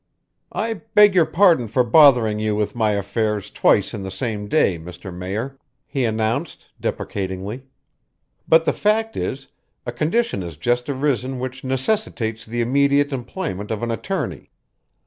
"I beg your pardon for bothering you with my affairs twice in the same day, Mr. Mayor," he announced deprecatingly, "but the fact is, a condition has just arisen which necessitates the immediate employment of an attorney.